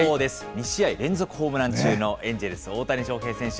２試合連続ホームラン中のエンジェルス、大谷翔平選手。